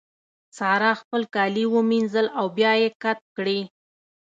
سارا خپل کالي ومينځل او بيا يې کت کړې.